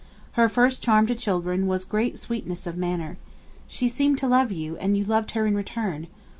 Her first charm to children was great sweetness of manner. She seemed to love you, and you loved her in return.